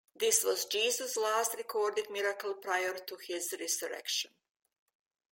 This was Jesus' last recorded miracle prior to His resurrection.